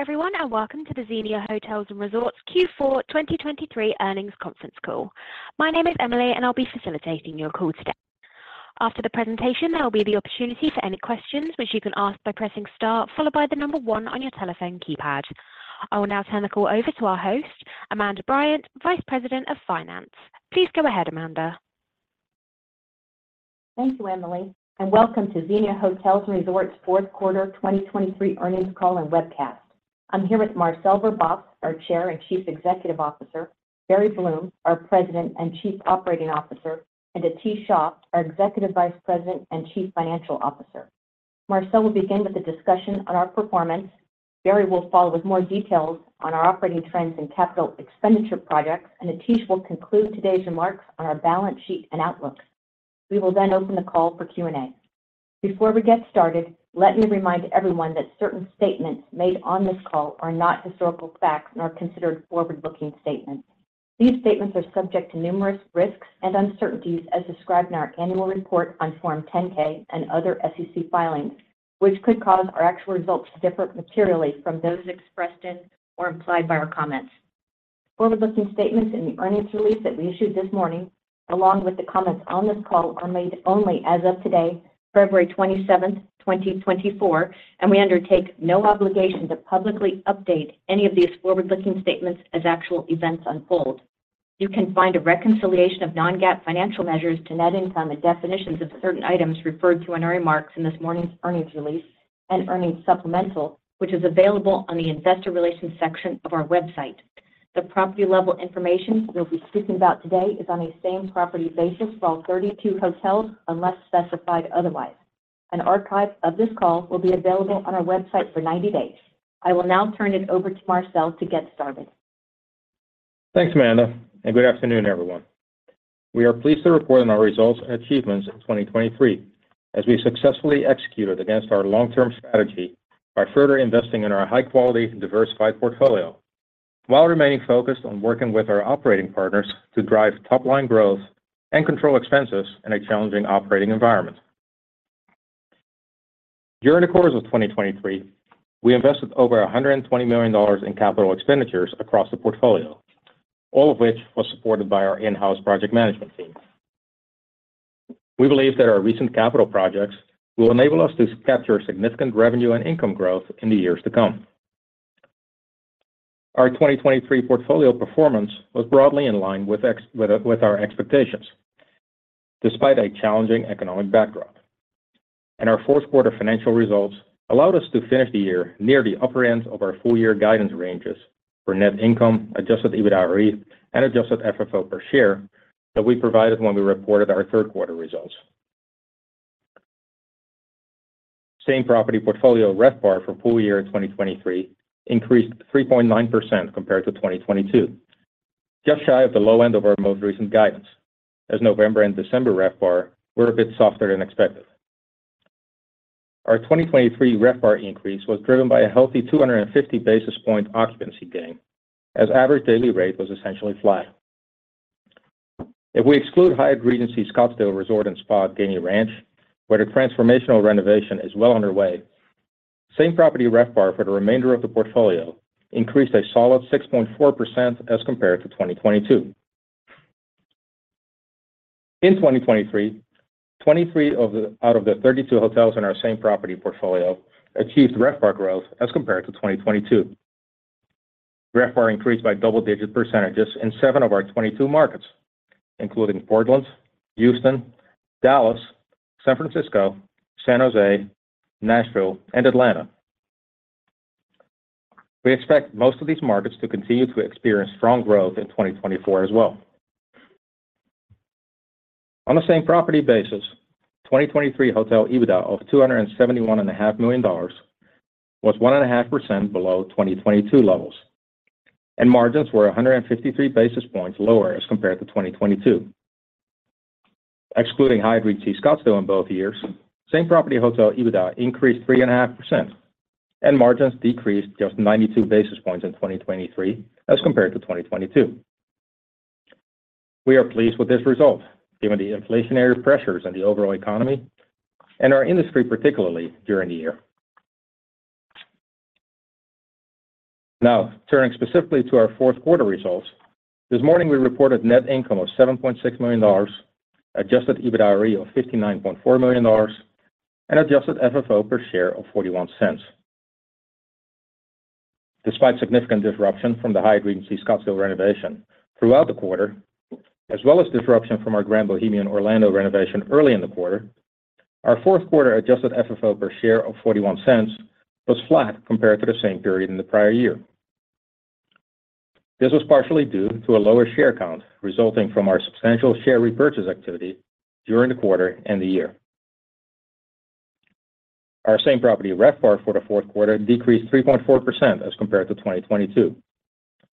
Hello, everyone, and welcome to the Xenia Hotels & Resorts Q4 2023 earnings conference call. My name is Emily, and I'll be facilitating your call today. After the presentation, there will be the opportunity for any questions, which you can ask by pressing star, followed by the number one on your telephone keypad. I will now turn the call over to our host, Amanda Bryant, Vice President of Finance. Please go ahead, Amanda. Thank you, Emily, and welcome to Xenia Hotels & Resorts fourth quarter 2023 earnings call and webcast. I'm here with Marcel Verbaas, our Chair and Chief Executive Officer, Barry Bloom, our President and Chief Operating Officer, and Atish Shah, our Executive Vice President and Chief Financial Officer. Marcel will begin with a discussion on our performance. Barry will follow with more details on our operating trends and capital expenditure projects, and Atish will conclude today's remarks on our balance sheet and outlook. We will then open the call for Q&A. Before we get started, let me remind everyone that certain statements made on this call are not historical facts, nor considered forward-looking statements. These statements are subject to numerous risks and uncertainties, as described in our annual report on Form 10-K and other SEC filings, which could cause our actual results to differ materially from those expressed in or implied by our comments. Forward-looking statements in the earnings release that we issued this morning, along with the comments on this call, are made only as of today, February 27, 2024, and we undertake no obligation to publicly update any of these forward-looking statements as actual events unfold. You can find a reconciliation of non-GAAP financial measures to net income and definitions of certain items referred to in our remarks in this morning's earnings release and earnings supplemental, which is available on the Investor Relations section of our website. The property-level information we'll be speaking about today is on a same-property basis for all 32 hotels, unless specified otherwise. An archive of this call will be available on our website for 90 days. I will now turn it over to Marcel to get started. Thanks, Amanda, and good afternoon, everyone. We are pleased to report on our results and achievements in 2023 as we successfully executed against our long-term strategy by further investing in our high quality and diversified portfolio, while remaining focused on working with our operating partners to drive top-line growth and control expenses in a challenging operating environment. During the course of 2023, we invested over $120 million in capital expenditures across the portfolio, all of which was supported by our in-house project management team. We believe that our recent capital projects will enable us to capture significant revenue and income growth in the years to come. Our 2023 portfolio performance was broadly in line with our expectations, despite a challenging economic backdrop, and our fourth quarter financial results allowed us to finish the year near the upper end of our full-year guidance ranges for net income, adjusted EBITDAre, and adjusted FFO per share that we provided when we reported our third quarter results. Same-Property portfolio RevPAR for full year 2023 increased 3.9% compared to 2022, just shy of the low end of our most recent guidance, as November and December RevPAR were a bit softer than expected. Our 2023 RevPAR increase was driven by a healthy 250 basis points occupancy gain, as average daily rate was essentially flat. If we exclude Hyatt Regency Scottsdale Resort & Spa at Gainey Ranch, where the transformational renovation is well underway, same property RevPAR for the remainder of the portfolio increased a solid 6.4% as compared to 2022. In 2023, 23 out of the 32 hotels in our same property portfolio achieved RevPAR growth as compared to 2022. RevPAR increased by double-digit percentages in 7 of our 22 markets, including Portland, Houston, Dallas, San Francisco, San Jose, Nashville, and Atlanta. We expect most of these markets to continue to experience strong growth in 2024 as well. On a same property basis, 2023 hotel EBITDA of $271.5 million was 1.5% below 2022 levels, and margins were 153 basis points lower as compared to 2022. Excluding Hyatt Regency Scottsdale in both years, Same-Property hotel EBITDA increased 3.5%, and margins decreased just 92 basis points in 2023 as compared to 2022. We are pleased with this result, given the inflationary pressures on the overall economy and our industry, particularly during the year. Now, turning specifically to our fourth quarter results. This morning, we reported net income of $7.6 million, adjusted EBITDAre of $59.4 million, and adjusted FFO per share of $0.41. Despite significant disruption from the Hyatt Regency Scottsdale renovation throughout the quarter, as well as disruption from our Grand Bohemian Orlando renovation early in the quarter, our fourth quarter adjusted FFO per share of $0.41 was flat compared to the same period in the prior year. This was partially due to a lower share count resulting from our substantial share repurchase activity during the quarter and the year. Our same property RevPAR for the fourth quarter decreased 3.4% as compared to 2022.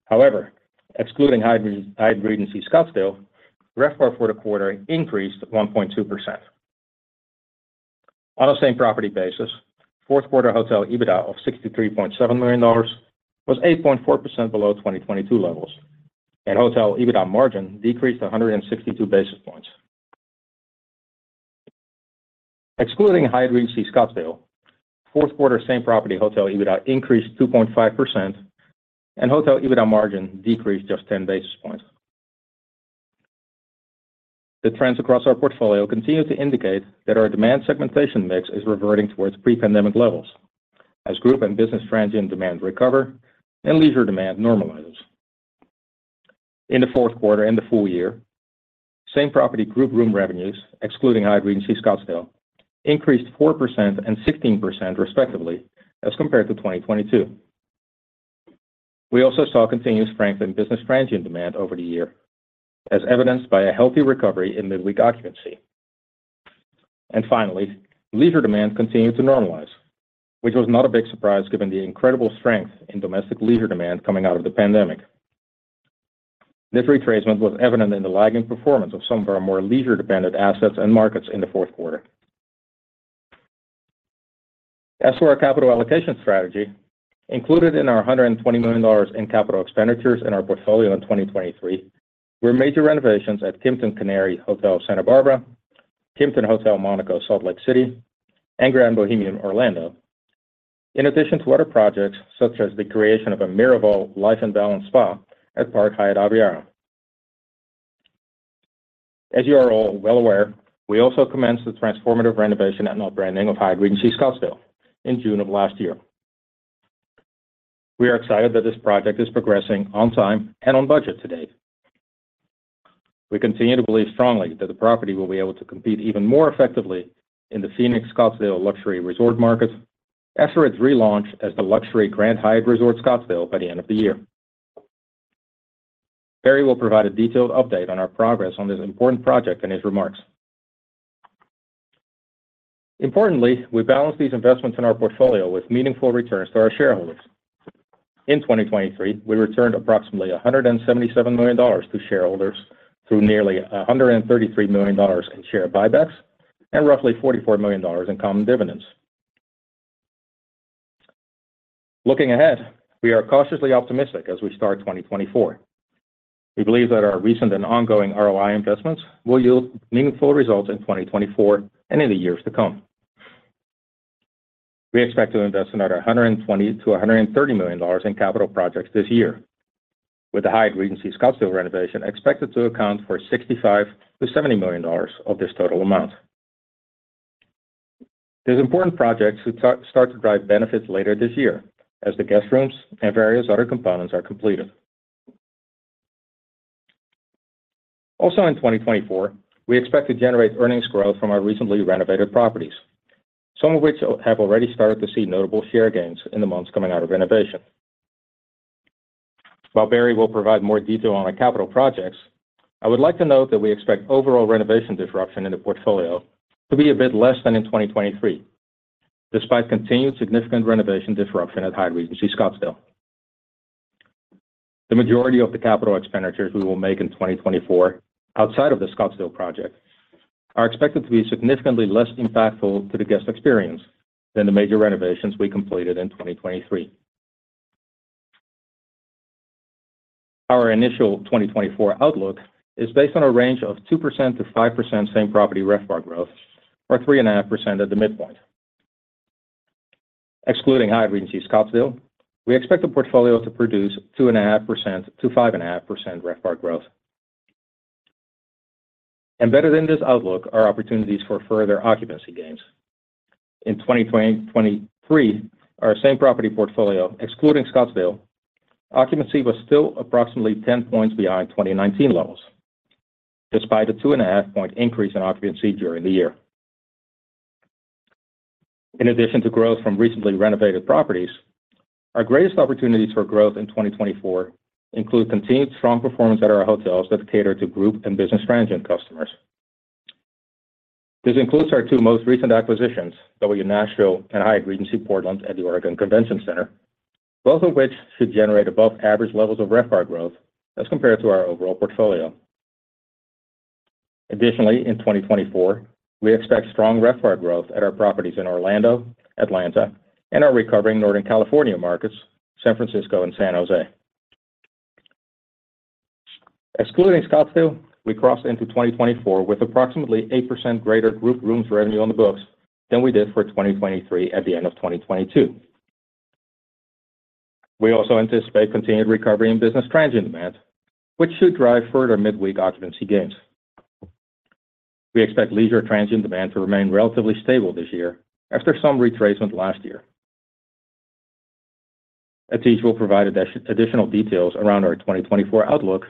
However, excluding Hyatt Regency Scottsdale, RevPAR for the quarter increased 1.2%. On a same property basis, fourth quarter hotel EBITDA of $63.7 million was 8.4% below 2022 levels, and hotel EBITDA margin decreased to 162 basis points. Excluding Hyatt Regency Scottsdale, fourth quarter same-property hotel EBITDA increased 2.5%, and hotel EBITDA margin decreased just 10 basis points. The trends across our portfolio continue to indicate that our demand segmentation mix is reverting towards pre-pandemic levels as group and business transient demand recover and leisure demand normalizes. In the fourth quarter and the full year, same-property group room revenues, excluding Hyatt Regency Scottsdale, increased 4% and 16% respectively as compared to 2022. We also saw continuous strength in business transient demand over the year, as evidenced by a healthy recovery in mid-week occupancy. And finally, leisure demand continued to normalize, which was not a big surprise given the incredible strength in domestic leisure demand coming out of the pandemic. This retracement was evident in the lagging performance of some of our more leisure-dependent assets and markets in the fourth quarter. As for our capital allocation strategy, included in our $120 million in capital expenditures in our portfolio in 2023, were major renovations at Kimpton Canary Hotel Santa Barbara, Kimpton Hotel Monaco Salt Lake City, and Grand Bohemian Orlando. In addition to other projects, such as the creation of a Miraval Life in Balance Spa at Park Hyatt Aviara. As you are all well aware, we also commenced the transformative renovation and rebranding of Hyatt Regency Scottsdale in June of last year. We are excited that this project is progressing on time and on budget to date. We continue to believe strongly that the property will be able to compete even more effectively in the scenic Scottsdale luxury resort market after its relaunch as the luxury Grand Hyatt Scottsdale Resort by the end of the year. Barry will provide a detailed update on our progress on this important project in his remarks. Importantly, we balance these investments in our portfolio with meaningful returns to our shareholders. In 2023, we returned approximately $177 million to shareholders through nearly $133 million in share buybacks and roughly $44 million in common dividends. Looking ahead, we are cautiously optimistic as we start 2024. We believe that our recent and ongoing ROI investments will yield meaningful results in 2024 and in the years to come. We expect to invest another $120 million-$130 million in capital projects this year, with the Hyatt Regency Scottsdale renovation expected to account for $65 million-$70 million of this total amount. These important projects should start to drive benefits later this year as the guest rooms and various other components are completed. Also, in 2024, we expect to generate earnings growth from our recently renovated properties, some of which have already started to see notable share gains in the months coming out of renovation. While Barry will provide more detail on our capital projects, I would like to note that we expect overall renovation disruption in the portfolio to be a bit less than in 2023, despite continued significant renovation disruption at Hyatt Regency Scottsdale. The majority of the capital expenditures we will make in 2024, outside of the Scottsdale project, are expected to be significantly less impactful to the guest experience than the major renovations we completed in 2023. Our initial 2024 outlook is based on a range of 2%-5% same-property RevPAR growth, or 3.5% at the midpoint. Excluding Hyatt Regency Scottsdale, we expect the portfolio to produce 2.5%-5.5% RevPAR growth. Better than this outlook are opportunities for further occupancy gains. In 2023, our same-property portfolio, excluding Scottsdale, occupancy was still approximately 10 points behind 2019 levels, despite a 2.5-point increase in occupancy during the year. In addition to growth from recently renovated properties, our greatest opportunities for growth in 2024 include continued strong performance at our hotels that cater to group and business transient customers. This includes our two most recent acquisitions, W Nashville and Hyatt Regency Portland at the Oregon Convention Center, both of which should generate above average levels of RevPAR growth as compared to our overall portfolio. Additionally, in 2024, we expect strong RevPAR growth at our properties in Orlando, Atlanta, and our recovering Northern California markets, San Francisco and San Jose. Excluding Scottsdale, we crossed into 2024 with approximately 8% greater group rooms revenue on the books than we did for 2023 at the end of 2022. We also anticipate continued recovery in business transient demand, which should drive further midweek occupancy gains. We expect leisure transient demand to remain relatively stable this year after some retracement last year. Atish will provide additional details around our 2024 outlook,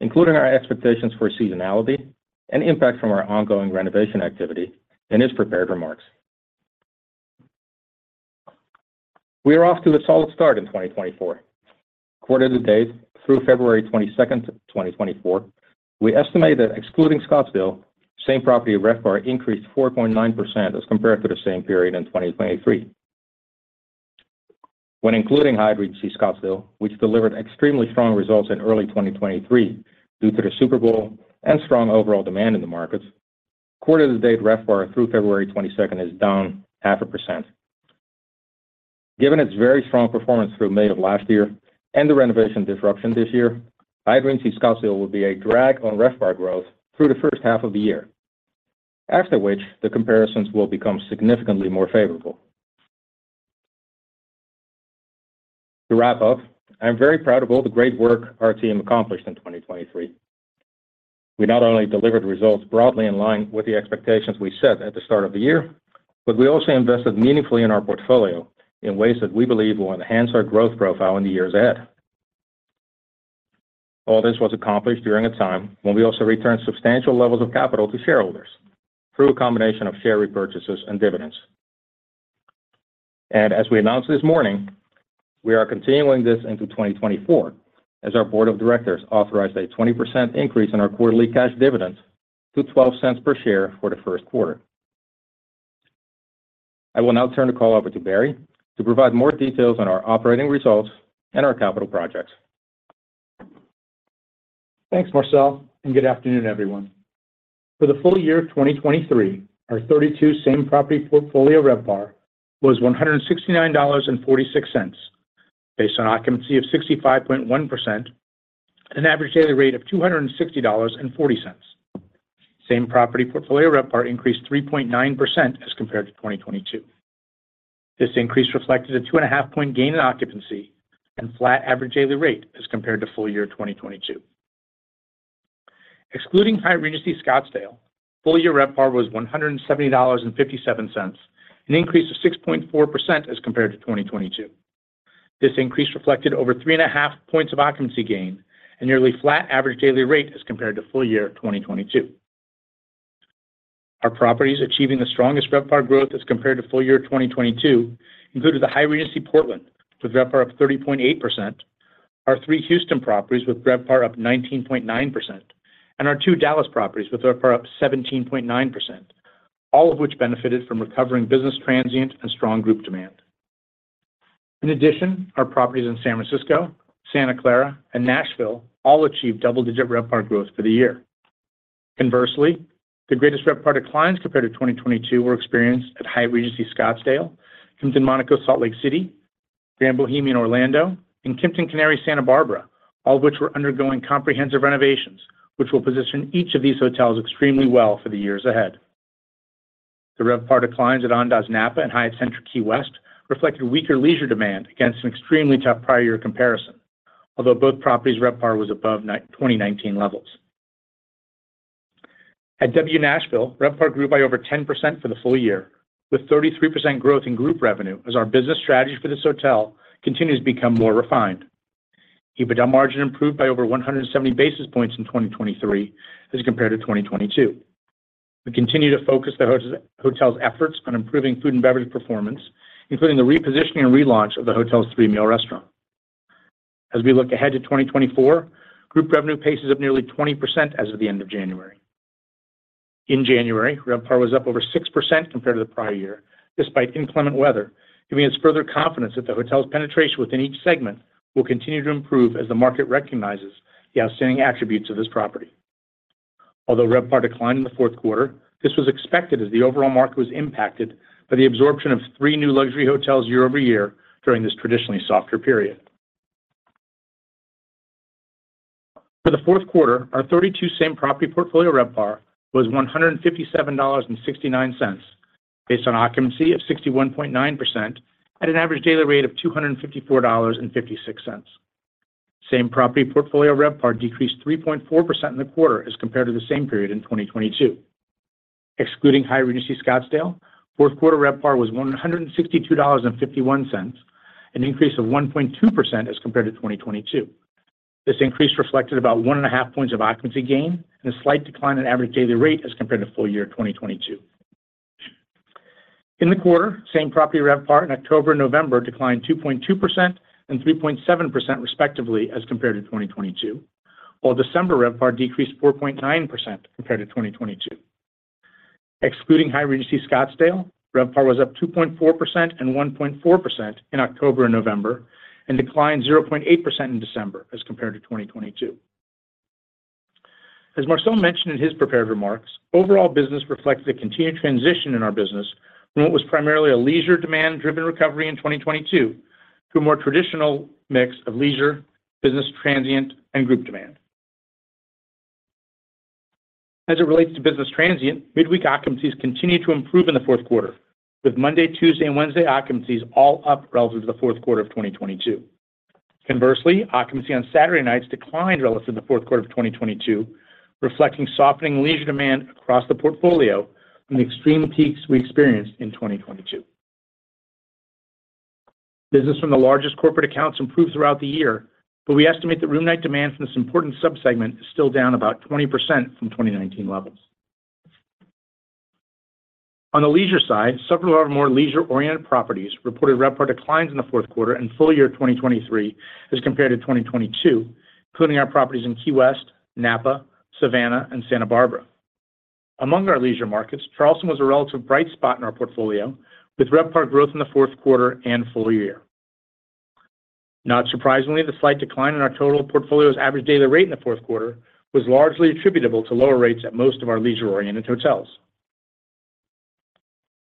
including our expectations for seasonality and impact from our ongoing renovation activity in his prepared remarks. We are off to a solid start in 2024. Quarter to date, through February 22nd, 2024, we estimate that excluding Scottsdale, same-property RevPAR increased 4.9% as compared to the same period in 2023. When including Hyatt Regency Scottsdale, which delivered extremely strong results in early 2023 due to the Super Bowl and strong overall demand in the markets, quarter to date RevPAR through February 22nd is down 0.5%. Given its very strong performance through May of last year and the renovation disruption this year, Hyatt Regency Scottsdale will be a drag on RevPAR growth through the first half of the year, after which the comparisons will become significantly more favorable. To wrap up, I'm very proud of all the great work our team accomplished in 2023. We not only delivered results broadly in line with the expectations we set at the start of the year, but we also invested meaningfully in our portfolio in ways that we believe will enhance our growth profile in the years ahead. All this was accomplished during a time when we also returned substantial levels of capital to shareholders through a combination of share repurchases and dividends. As we announced this morning, we are continuing this into 2024, as our board of directors authorized a 20% increase in our quarterly cash dividend to $0.12 per share for the first quarter. I will now turn the call over to Barry to provide more details on our operating results and our capital projects. Thanks, Marcel, and good afternoon, everyone. For the full year of 2023, our 32 same-property portfolio RevPAR was $169.46, based on occupancy of 65.1% and an average daily rate of $260.40. Same-property portfolio RevPAR increased 3.9% as compared to 2022. This increase reflected a 2.5-point gain in occupancy and flat average daily rate as compared to full year 2022. Excluding Hyatt Regency Scottsdale, full year RevPAR was $170.57, an increase of 6.4% as compared to 2022. This increase reflected over 3.5 points of occupancy gain and nearly flat average daily rate as compared to full year 2022. Our properties achieving the strongest RevPAR growth as compared to full year 2022 included the Hyatt Regency Portland, with RevPAR up 30.8%, our three Houston properties, with RevPAR up 19.9%, and our two Dallas properties, with RevPAR up 17.9%, all of which benefited from recovering business transient and strong group demand. In addition, our properties in San Francisco, Santa Clara, and Nashville all achieved double-digit RevPAR growth for the year. Conversely, the greatest RevPAR declines compared to 2022 were experienced at Hyatt Regency Scottsdale, Kimpton Monaco Salt Lake City, Grand Bohemian Orlando, and Kimpton Canary Santa Barbara, all of which were undergoing comprehensive renovations, which will position each of these hotels extremely well for the years ahead. The RevPAR declines at Andaz Napa and Hyatt Centric Key West reflected weaker leisure demand against an extremely tough prior year comparison, although both properties' RevPAR was above 2019 levels. At W Nashville, RevPAR grew by over 10% for the full year, with 33% growth in group revenue as our business strategy for this hotel continues to become more refined. EBITDA margin improved by over 170 basis points in 2023 as compared to 2022. We continue to focus the hotel’s efforts on improving food and beverage performance, including the repositioning and relaunch of the hotel’s three-meal restaurant. As we look ahead to 2024, group revenue pace is up nearly 20% as of the end of January. In January, RevPAR was up over 6% compared to the prior year, despite inclement weather, giving us further confidence that the hotel's penetration within each segment will continue to improve as the market recognizes the outstanding attributes of this property. Although RevPAR declined in the fourth quarter, this was expected as the overall market was impacted by the absorption of three new luxury hotels year-over-year during this traditionally softer period. For the fourth quarter, our 32 same-property portfolio RevPAR was $157.69, based on occupancy of 61.9% at an average daily rate of $254.56. Same-property portfolio RevPAR decreased 3.4% in the quarter as compared to the same period in 2022. Excluding Hyatt Regency Scottsdale, fourth quarter RevPAR was $162.51, an increase of 1.2% as compared to 2022. This increase reflected about 1.5 points of occupancy gain and a slight decline in average daily rate as compared to full year 2022. In the quarter, same-property RevPAR in October and November declined 2.2% and 3.7%, respectively, as compared to 2022, while December RevPAR decreased 4.9% compared to 2022. Excluding Hyatt Regency Scottsdale, RevPAR was up 2.4% and 1.4% in October and November, and declined 0.8% in December as compared to 2022. As Marcel mentioned in his prepared remarks, overall business reflects the continued transition in our business from what was primarily a leisure demand-driven recovery in 2022 to a more traditional mix of leisure, business, transient, and group demand. As it relates to business transient, midweek occupancies continued to improve in the fourth quarter, with Monday, Tuesday, and Wednesday occupancies all up relative to the fourth quarter of 2022. Conversely, occupancy on Saturday nights declined relative to the fourth quarter of 2022, reflecting softening leisure demand across the portfolio from the extreme peaks we experienced in 2022. Business from the largest corporate accounts improved throughout the year, but we estimate the room night demand from this important subsegment is still down about 20% from 2019 levels. On the leisure side, several of our more leisure-oriented properties reported RevPAR declines in the fourth quarter and full year 2023 as compared to 2022, including our properties in Key West, Napa, Savannah, and Santa Barbara. Among our leisure markets, Charleston was a relative bright spot in our portfolio, with RevPAR growth in the fourth quarter and full year. Not surprisingly, the slight decline in our total portfolio's average daily rate in the fourth quarter was largely attributable to lower rates at most of our leisure-oriented hotels.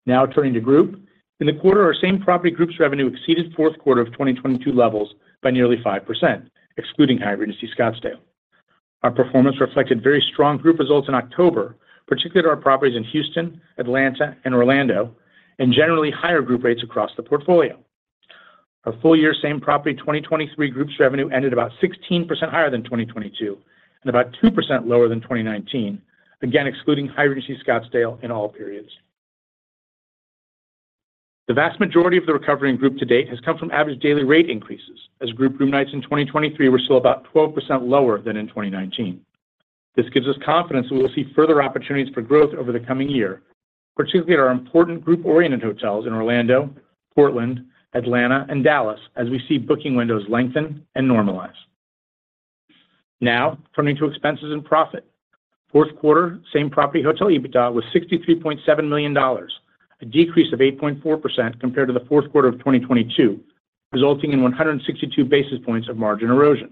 Now turning to group. In the quarter, our same-property group revenue exceeded fourth quarter of 2022 levels by nearly 5%, excluding Hyatt Regency Scottsdale. Our performance reflected very strong group results in October, particularly to our properties in Houston, Atlanta, and Orlando, and generally higher group rates across the portfolio. Our full-year same-property 2023 group revenue ended about 16% higher than 2022, and about 2% lower than 2019, again, excluding Hyatt Regency Scottsdale in all periods. The vast majority of the recovery in group to date has come from average daily rate increases, as group room nights in 2023 were still about 12% lower than in 2019. This gives us confidence that we will see further opportunities for growth over the coming year, particularly at our important group-oriented hotels in Orlando, Portland, Atlanta, and Dallas, as we see booking windows lengthen and normalize. Now, turning to expenses and profit. Fourth quarter, same-property Hotel EBITDA was $63.7 million, a decrease of 8.4% compared to the fourth quarter of 2022, resulting in 162 basis points of margin erosion.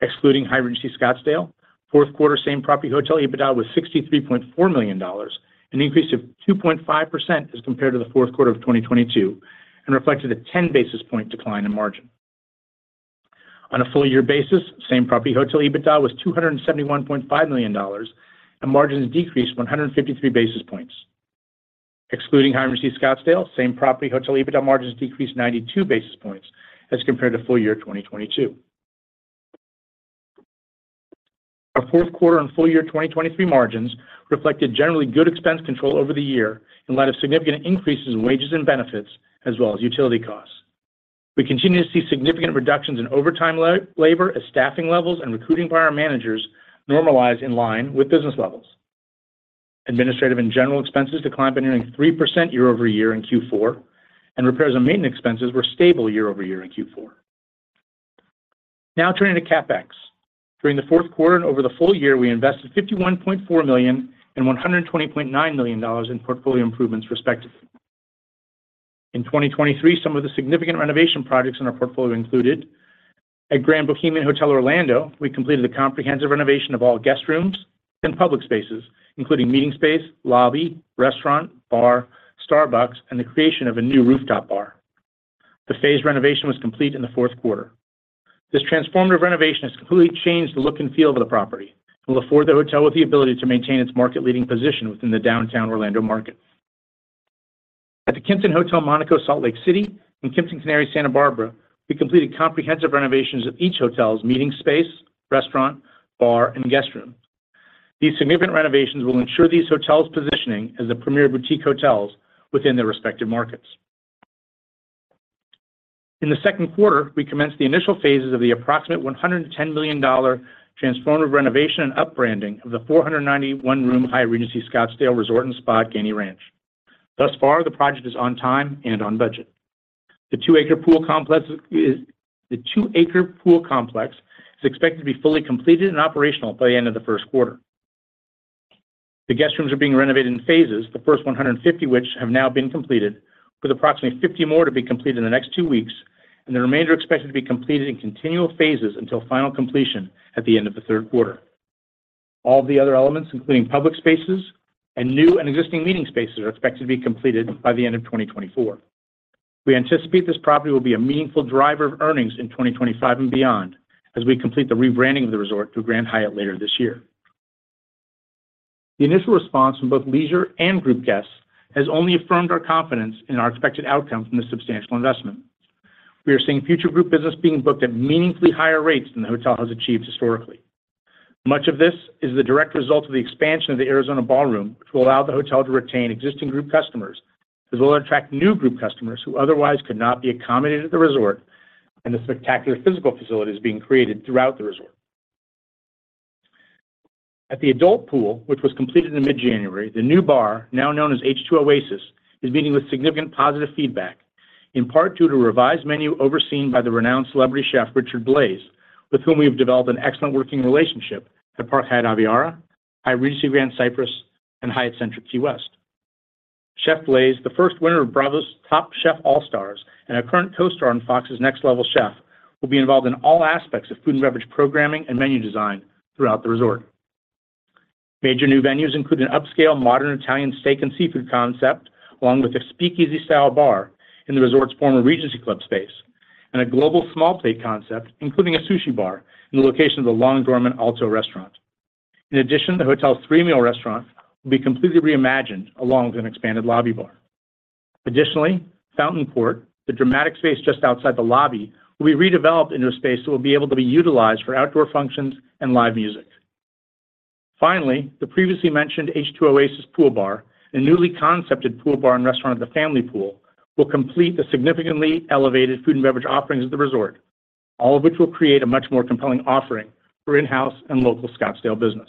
Excluding Hyatt Regency Scottsdale, fourth quarter same-property hotel EBITDA was $63.4 million, an increase of 2.5% as compared to the fourth quarter of 2022, and reflected a 10 basis point decline in margin. On a full year basis, same-property hotel EBITDA was $271.5 million, and margins decreased 153 basis points. Excluding Hyatt Regency Scottsdale, same-property hotel EBITDA margins decreased 92 basis points as compared to full year 2022. Our fourth quarter and full year 2023 margins reflected generally good expense control over the year in light of significant increases in wages and benefits, as well as utility costs. We continue to see significant reductions in overtime labor as staffing levels and recruiting by our managers normalize in line with business levels. Administrative and general expenses declined by nearly 3% year-over-year in Q4, and repairs and maintenance expenses were stable year over year in Q4. Now turning to CapEx. During the fourth quarter and over the full year, we invested $51.4 million and $120.9 million in portfolio improvements, respectively. In 2023, some of the significant renovation projects in our portfolio included: At Grand Bohemian Hotel Orlando, we completed a comprehensive renovation of all guest rooms and public spaces, including meeting space, lobby, restaurant, bar, Starbucks, and the creation of a new rooftop bar. The phased renovation was complete in the fourth quarter. This transformative renovation has completely changed the look and feel of the property and will afford the hotel with the ability to maintain its market-leading position within the downtown Orlando market. At the Kimpton Hotel Monaco Salt Lake City and Kimpton Canary Hotel Santa Barbara, we completed comprehensive renovations of each hotel's meeting space, restaurant, bar, and guest room. These significant renovations will ensure these hotels' positioning as the premier boutique hotels within their respective markets. In the second quarter, we commenced the initial phases of the approximate $110 million transformative renovation and rebranding of the 491-room Hyatt Regency Scottsdale Resort & Spa at Gainey Ranch. Thus far, the project is on time and on budget. The two-acre pool complex is expected to be fully completed and operational by the end of the first quarter. The guest rooms are being renovated in phases, the first 150 which have now been completed, with approximately 50 more to be completed in the next 2 weeks, and the remainder expected to be completed in continual phases until final completion at the end of the third quarter. All the other elements, including public spaces and new and existing meeting spaces, are expected to be completed by the end of 2024. We anticipate this property will be a meaningful driver of earnings in 2025 and beyond as we complete the rebranding of the resort through Grand Hyatt later this year. The initial response from both leisure and group guests has only affirmed our confidence in our expected outcome from this substantial investment. We are seeing future group business being booked at meaningfully higher rates than the hotel has achieved historically. Much of this is the direct result of the expansion of the Arizona Ballroom, which will allow the hotel to retain existing group customers, as well as attract new group customers who otherwise could not be accommodated at the resort, and the spectacular physical facilities being created throughout the resort. At the adult pool, which was completed in mid-January, the new bar, now known as H2Oasis, is meeting with significant positive feedback, in part due to a revised menu overseen by the renowned celebrity chef Richard Blais, with whom we have developed an excellent working relationship at Park Hyatt Aviara, Hyatt Regency Grand Cypress, and Hyatt Centric Key West. Chef Blais, the first winner of Bravo's Top Chef All Stars and our current co-star on Fox's Next Level Chef, will be involved in all aspects of food and beverage programming and menu design throughout the resort. Major new venues include an upscale modern Italian steak and seafood concept, along with a speakeasy-style bar in the resort's former Regency Club space, and a global small plate concept, including a sushi bar in the location of the long dormant Alto Restaurant. In addition, the hotel's three-meal restaurant will be completely reimagined, along with an expanded lobby bar. Additionally, Fountain Court, the dramatic space just outside the lobby, will be redeveloped into a space that will be able to be utilized for outdoor functions and live music. Finally, the previously mentioned H2Oasis pool bar and newly concepted pool bar and restaurant at the family pool will complete the significantly elevated food and beverage offerings at the resort, all of which will create a much more compelling offering for in-house and local Scottsdale business.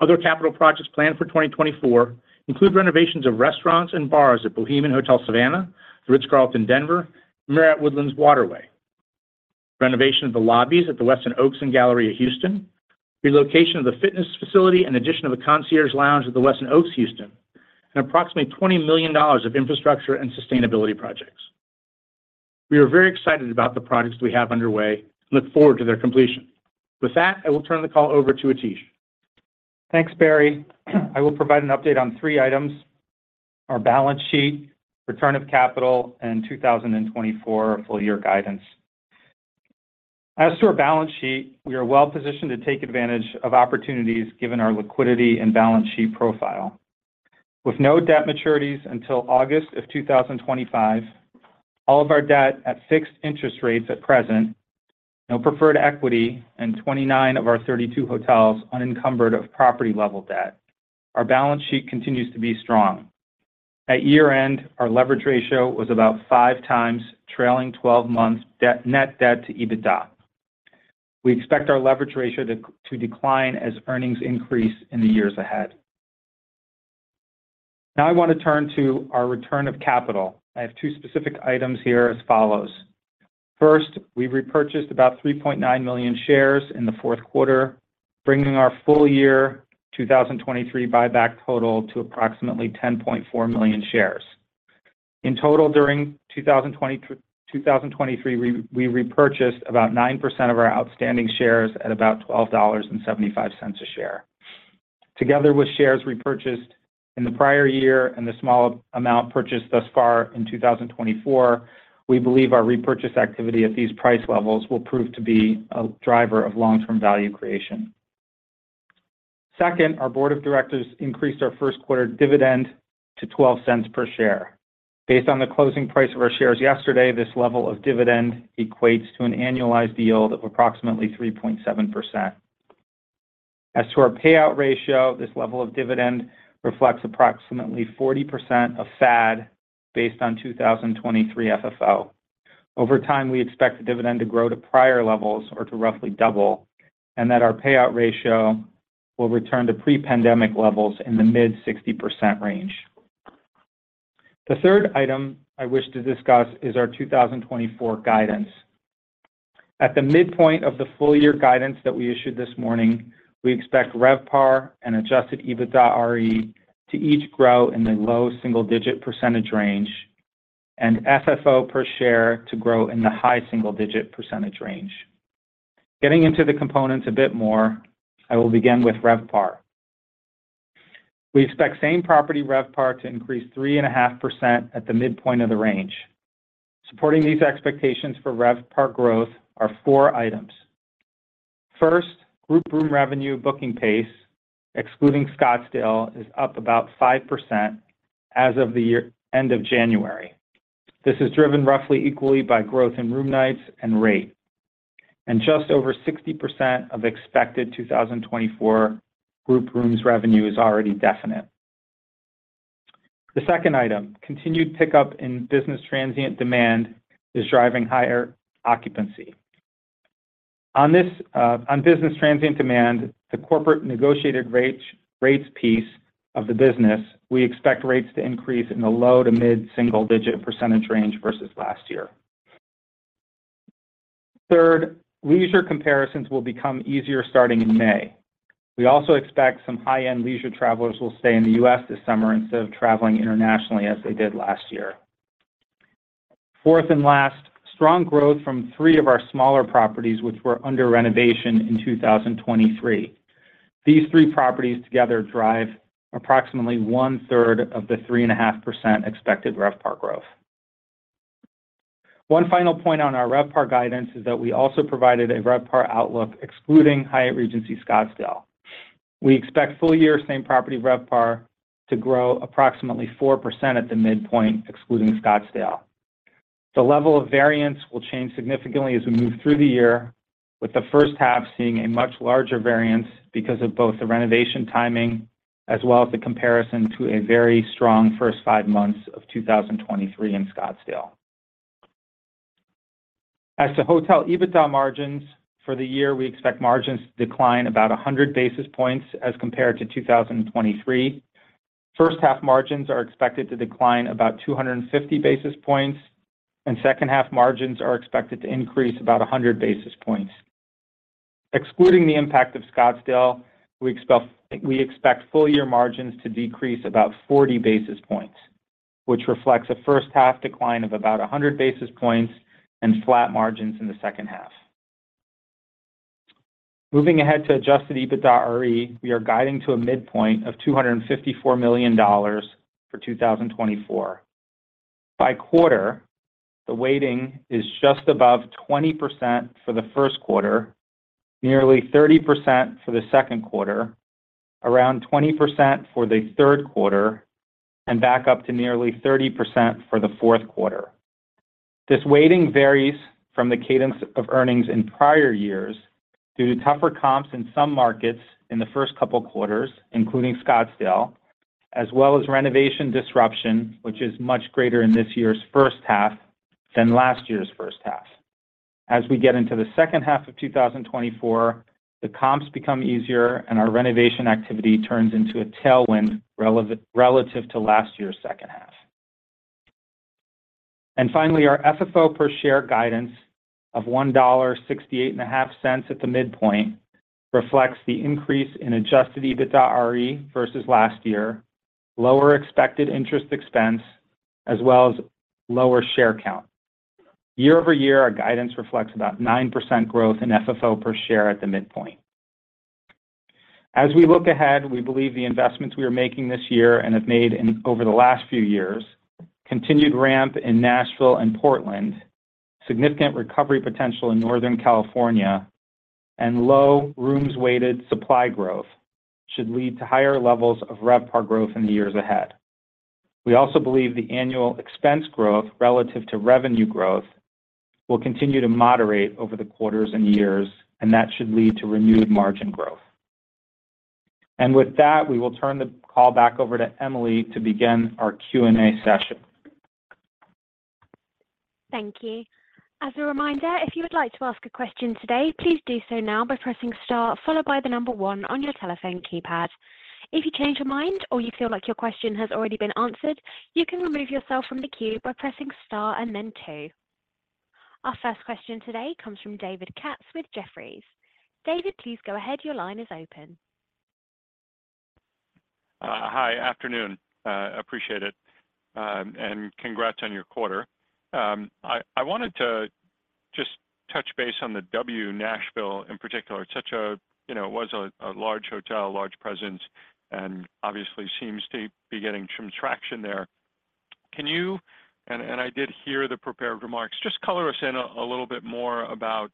Other capital projects planned for 2024 include renovations of restaurants and bars at Bohemian Hotel Savannah, The Ritz-Carlton, Denver, Marriott Woodlands Waterway, renovation of the lobbies at the Westin Oaks Houston at the Galleria, relocation of the fitness facility, and addition of a concierge lounge at the Westin Oaks, Houston, and approximately $20 million of infrastructure and sustainability projects. We are very excited about the projects we have underway and look forward to their completion. With that, I will turn the call over to Atish. Thanks, Barry. I will provide an update on three items: our balance sheet, return of capital, and 2024 full year guidance. As to our balance sheet, we are well-positioned to take advantage of opportunities given our liquidity and balance sheet profile. With no debt maturities until August of 2025, all of our debt at fixed interest rates at present, no preferred equity, and 29 of our 32 hotels unencumbered of property level debt. Our balance sheet continues to be strong. At year-end, our leverage ratio was about five times, trailing 12 months net debt to EBITDA. We expect our leverage ratio to decline as earnings increase in the years ahead. Now, I want to turn to our return of capital. I have two specific items here as follows: First, we repurchased about 3.9 million shares in the fourth quarter, bringing our full year 2023 buyback total to approximately 10.4 million shares. In total, during 2023, we repurchased about 9% of our outstanding shares at about $12.75 a share. Together with shares repurchased in the prior year and the small amount purchased thus far in 2024, we believe our repurchase activity at these price levels will prove to be a driver of long-term value creation. Second, our board of directors increased our first quarter dividend to $0.12 per share. Based on the closing price of our shares yesterday, this level of dividend equates to an annualized yield of approximately 3.7%. As to our payout ratio, this level of dividend reflects approximately 40% of FAD, based on 2023 FFO. Over time, we expect the dividend to grow to prior levels or to roughly double, and that our payout ratio will return to pre-pandemic levels in the mid-60% range. The third item I wish to discuss is our 2024 guidance. At the midpoint of the full year guidance that we issued this morning, we expect RevPAR and adjusted EBITDAre to each grow in the low single-digit percentage range, and FFO per share to grow in the high single-digit percentage range. Getting into the components a bit more, I will begin with RevPAR. We expect same property RevPAR to increase 3.5% at the midpoint of the range. Supporting these expectations for RevPAR growth are four items. First, group room revenue booking pace, excluding Scottsdale, is up about 5% as of the year-end of January. This is driven roughly equally by growth in room nights and rate, and just over 60% of expected 2024 group rooms revenue is already definite. The second item, continued pickup in business transient demand, is driving higher occupancy. On this, on business transient demand, the corporate negotiated rate, rates piece of the business, we expect rates to increase in the low- to mid-single-digit percentage range versus last year. Third, leisure comparisons will become easier starting in May. We also expect some high-end leisure travelers will stay in the U.S. this summer instead of traveling internationally as they did last year. Fourth and last, strong growth from three of our smaller properties, which were under renovation in 2023. These three properties together drive approximately 1/3 of the 3.5% expected RevPAR growth. One final point on our RevPAR guidance is that we also provided a RevPAR outlook, excluding Hyatt Regency Scottsdale. We expect full year same property RevPAR to grow approximately 4% at the midpoint, excluding Scottsdale. The level of variance will change significantly as we move through the year, with the first half seeing a much larger variance because of both the renovation timing as well as the comparison to a very strong first five months of 2023 in Scottsdale. As to hotel EBITDA margins for the year, we expect margins to decline about 100 basis points as compared to 2023. First half margins are expected to decline about 250 basis points, and second-half margins are expected to increase about 100 basis points. Excluding the impact of Scottsdale, we expect full year margins to decrease about 40 basis points, which reflects a first half decline of about 100 basis points and flat margins in the second half. Moving ahead to adjusted EBITDAre, we are guiding to a midpoint of $254 million for 2024. By quarter, the weighting is just above 20% for the first quarter, nearly 30% for the second quarter, around 20% for the third quarter, and back up to nearly 30% for the fourth quarter. This weighting varies from the cadence of earnings in prior years due to tougher comps in some markets in the first couple quarters, including Scottsdale, as well as renovation disruption, which is much greater in this year's first half than last year's first half. As we get into the second half of 2024, the comps become easier, and our renovation activity turns into a tailwind relative to last year's second half. And finally, our FFO per share guidance of $1.685 at the midpoint reflects the increase in Adjusted EBITDAre versus last year, lower expected interest expense, as well as lower share count. Year-over-year, our guidance reflects about 9% growth in FFO per share at the midpoint. As we look ahead, we believe the investments we are making this year and have made in over the last few years, continued ramp in Nashville and Portland, significant recovery potential in Northern California, and low rooms weighted supply growth, should lead to higher levels of RevPAR growth in the years ahead. We also believe the annual expense growth relative to revenue growth, will continue to moderate over the quarters and years, and that should lead to renewed margin growth. With that, we will turn the call back over to Emily to begin our Q&A session. Thank you. As a reminder, if you would like to ask a question today, please do so now by pressing star followed by the number one on your telephone keypad. If you change your mind or you feel like your question has already been answered, you can remove yourself from the queue by pressing star and then two. Our first question today comes from David Katz with Jefferies. David, please go ahead. Your line is open. Hi. Afternoon. Appreciate it, and congrats on your quarter. I wanted to just touch base on the W Nashville in particular. It's such a, you know, it was a large hotel, a large presence, and obviously seems to be getting some traction there. Can you, and I did hear the prepared remarks, just color us in a little bit more about,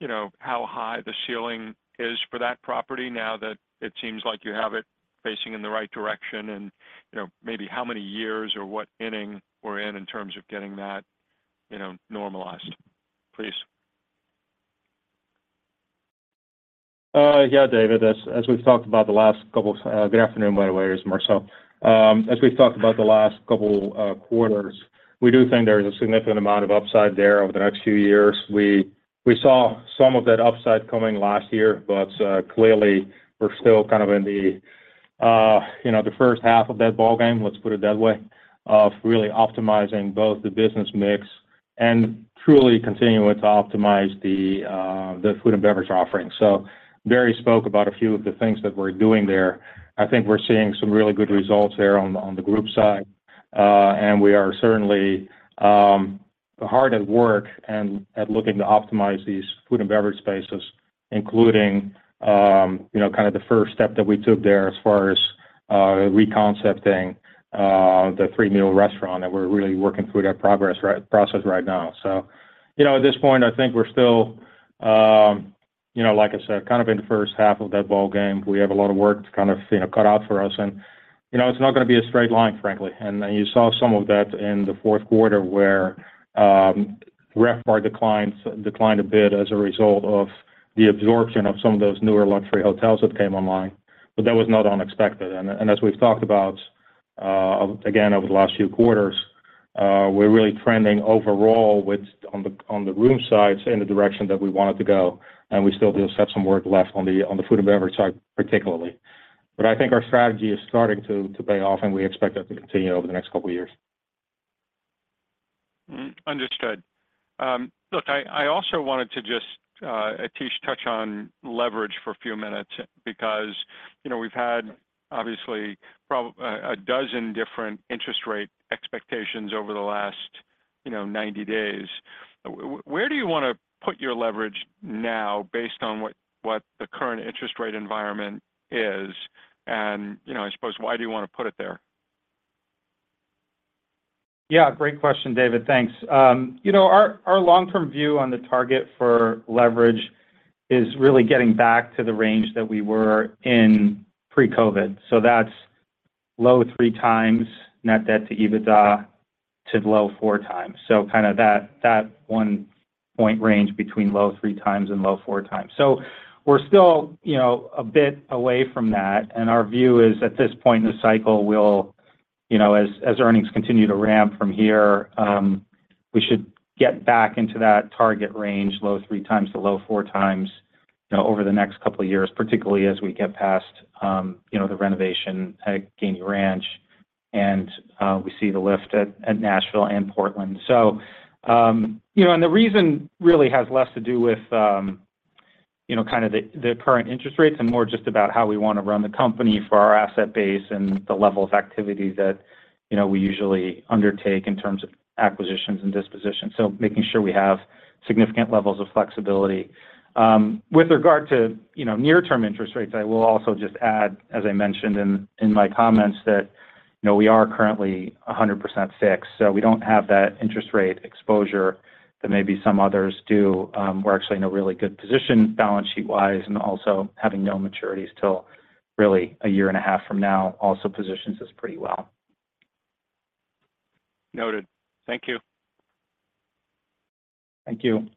you know, how high the ceiling is for that property now that it seems like you have it facing in the right direction and, you know, maybe how many years or what inning we're in, in terms of getting that, you know, normalized, please? Yeah, David, as we've talked about the last couple of. Good afternoon, by the way, as well. As we've talked about the last couple quarters, we do think there is a significant amount of upside there over the next few years. We saw some of that upside coming last year, but clearly, we're still kind of in the you know, the first half of that ballgame, let's put it that way, of really optimizing both the business mix and truly continuing to optimize the food and beverage offering. So Barry spoke about a few of the things that we're doing there. I think we're seeing some really good results there on the group side. And we are certainly hard at work and at looking to optimize these food and beverage spaces, including, you know, kind of the first step that we took there as far as reconcepting the three meal restaurant that we're really working through that process right now. So, you know, at this point, I think we're still, you know, like I said, kind of in the first half of that ballgame. We have a lot of work to kind of, you know, cut out for us. And, you know, it's not gonna be a straight line, frankly. And you saw some of that in the fourth quarter, where RevPAR declined a bit as a result of the absorption of some of those newer luxury hotels that came online. But that was not unexpected. And as we've talked about, again, over the last few quarters, we're really trending overall with the room sides in the direction that we wanted to go, and we still do have some work left on the food and beverage side, particularly. But I think our strategy is starting to pay off, and we expect that to continue over the next couple of years. Understood. Look, I also wanted to just, Atish, touch on leverage for a few minutes because, you know, we've had obviously a dozen different interest rate expectations over the last, you know, 90 days. Where do you want to put your leverage now based on what the current interest rate environment is? And, you know, I suppose, why do you want to put it there? Yeah, great question, David. Thanks. You know, our, our long-term view on the target for leverage is really getting back to the range that we were in pre-COVID. So that's low 3x net debt to EBITDA, to low 4x. So kind of that, that 1-point range between low 3x and low 4x. So we're still, you know, a bit away from that, and our view is, at this point in the cycle, we'll, tou know, as, as earnings continue to ramp from here, we should get back into that target range, low 3x to low 4x, you know, over the next couple of years, particularly as we get past, you know, the renovation at Gainey Ranch, and, we see the lift at, at Nashville and Portland. So, you know, and the reason really has less to do with, you know, kind of the current interest rates and more just about how we want to run the company for our asset base and the level of activity that, you know, we usually undertake in terms of acquisitions and dispositions. So making sure we have significant levels of flexibility. With regard to, you know, near-term interest rates, I will also just add, as I mentioned in my comments, that, you know, we are currently 100% fixed, so we don't have that interest rate exposure that maybe some others do. We're actually in a really good position, balance sheet-wise, and also having no maturities till really a year and a half from now, also positions us pretty well. Noted. Thank you. Thank you.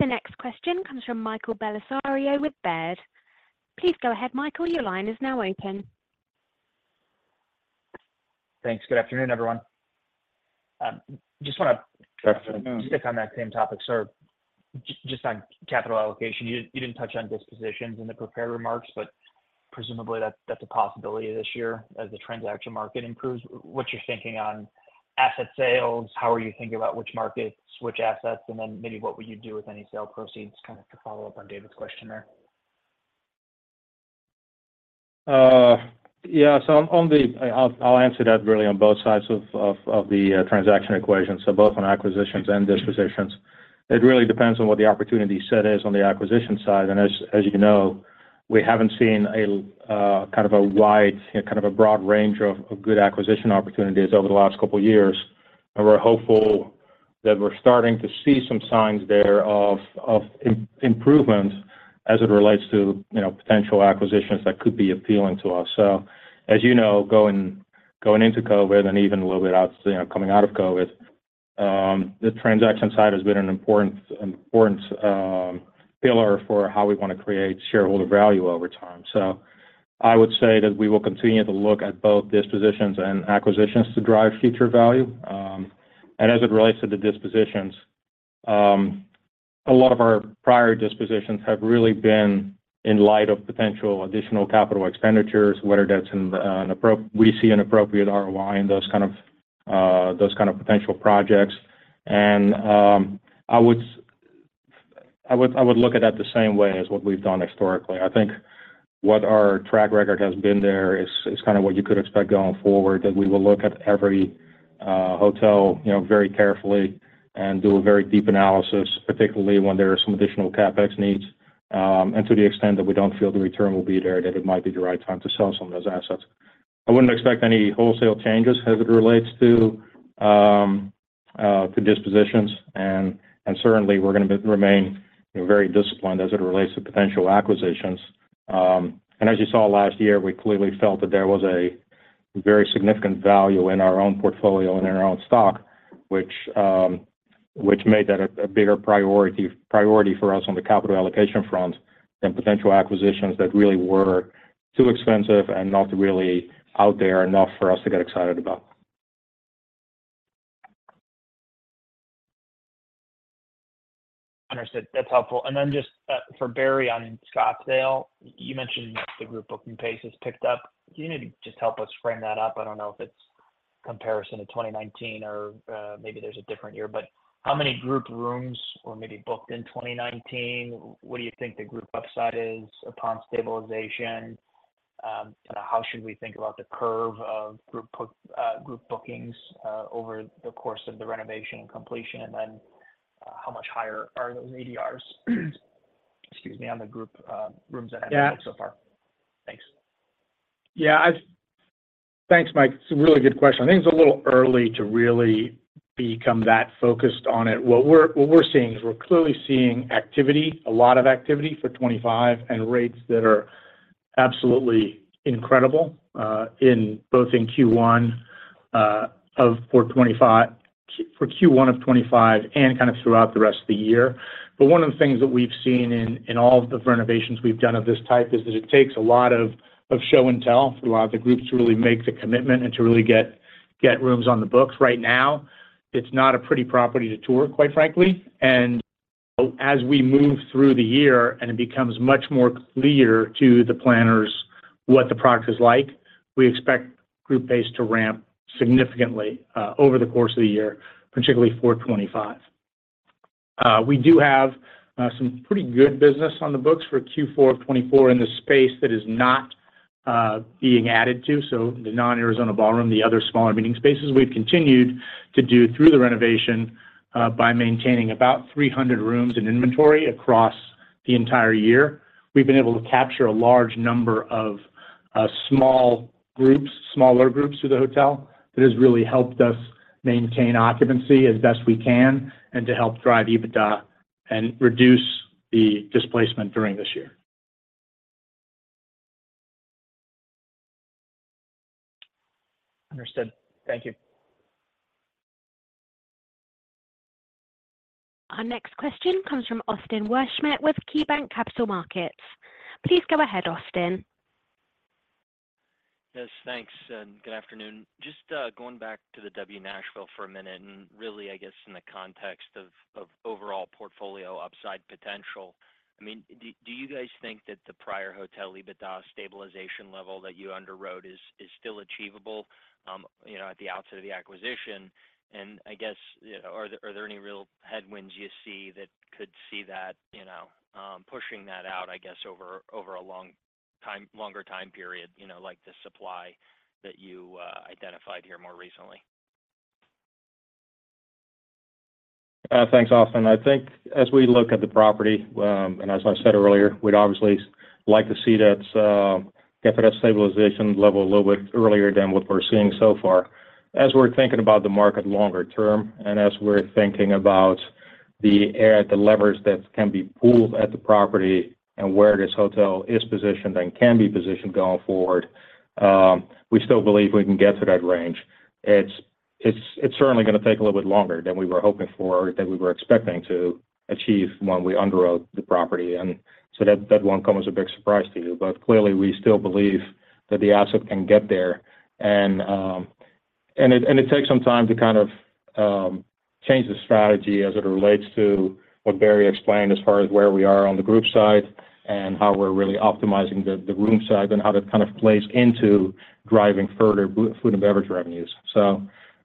The next question comes from Michael Bellisario with Baird. Please go ahead, Michael. Your line is now open. Thanks. Good afternoon, everyone. Just want to stick on that same topic, sir. Just on capital allocation, you didn't touch on dispositions in the prepared remarks, but presumably, that's a possibility this year as the transaction market improves. What's your thinking on asset sales? How are you thinking about which markets, which assets? And then maybe what would you do with any sale proceeds? Kind of to follow up on David's question there. Yeah. So on the. I'll answer that really on both sides of the transaction equation, so both on acquisitions and dispositions. It really depends on what the opportunity set is on the acquisition side. And as you know, we haven't seen a kind of a wide, kind of a broad range of good acquisition opportunities over the last couple of years. And we're hopeful that we're starting to see some signs there of improvement as it relates to, you know, potential acquisitions that could be appealing to us. So, as you know, going into COVID and even a little bit out, you know, coming out of COVID, the transaction side has been an important pillar for how we want to create shareholder value over time. So I would say that we will continue to look at both dispositions and acquisitions to drive future value. And as it relates to the dispositions, a lot of our prior dispositions have really been in light of potential additional capital expenditures, whether we see an appropriate ROI in those kind of potential projects. And I would look at that the same way as what we've done historically. I think what our track record has been there is kind of what you could expect going forward, that we will look at every hotel, you know, very carefully and do a very deep analysis, particularly when there are some additional CapEx needs. And to the extent that we don't feel the return will be there, that it might be the right time to sell some of those assets. I wouldn't expect any wholesale changes as it relates to dispositions, and certainly we're going to remain very disciplined as it relates to potential acquisitions. And as you saw last year, we clearly felt that there was a very significant value in our own portfolio and in our own stock, which made that a bigger priority for us on the capital allocation front than potential acquisitions that really were too expensive and not really out there enough for us to get excited about. Understood. That's helpful. And then just, for Barry, on Scottsdale, you mentioned that the group booking pace has picked up. Do you need to just help us frame that up? I don't know if it's comparison to 2019 or, maybe there's a different year, but how many group rooms were maybe booked in 2019? What do you think the group upside is upon stabilization? Kind of how should we think about the curve of group bookings over the course of the renovation and completion? And then, how much higher are those ADRs, excuse me, on the group rooms that have been booked so far? Thanks. Yeah. Thanks, Mike. It's a really good question. I think it's a little early to really become that focused on it. What we're seeing is we're clearly seeing activity, a lot of activity for 2025, and rates that are absolutely incredible in both in Q1 of 2025 and kind of throughout the rest of the year. But one of the things that we've seen in all of the renovations we've done of this type is that it takes a lot of show and tell for a lot of the groups to really make the commitment and to really get rooms on the books. Right now, it's not a pretty property to tour, quite frankly. As we move through the year and it becomes much more clear to the planners what the product is like, we expect group pace to ramp significantly over the course of the year, particularly for 2025. We do have some pretty good business on the books for Q4 of 2024 in the space that is not being added to. So the non-Arizona Ballroom, the other smaller meeting spaces we've continued to do through the renovation by maintaining about 300 rooms in inventory across the entire year. We've been able to capture a large number of small groups, smaller groups to the hotel. That has really helped us maintain occupancy as best we can and to help drive EBITDA and reduce the displacement during this year. Understood. Thank you. Our next question comes from Austin Wurschmidt with KeyBanc Capital Markets. Please go ahead, Austin. Yes, thanks, and good afternoon. Just going back to the W Nashville for a minute, and really, I guess, in the context of overall portfolio upside potential. I mean, do you guys think that the prior hotel EBITDA stabilization level that you underwrote is still achievable, you know, at the outset of the acquisition? And I guess, you know, are there any real headwinds you see that could see that, you know, pushing that out, I guess, over a longer time period, you know, like the supply that you identified here more recently? Thanks, Austin. I think as we look at the property, and as I said earlier, we'd obviously like to see that get to that stabilization level a little bit earlier than what we're seeing so far. As we're thinking about the market longer term, and as we're thinking about the levers that can be pulled at the property and where this hotel is positioned and can be positioned going forward, we still believe we can get to that range. It's, it's, it's certainly going to take a little bit longer than we were hoping for, than we were expecting to achieve when we underwrote the property, and so that, that won't come as a big surprise to you. But clearly, we still believe that the asset can get there, and, And it takes some time to kind of change the strategy as it relates to what Barry explained, as far as where we are on the group side and how we're really optimizing the room side, and how that kind of plays into driving further food and beverage revenues.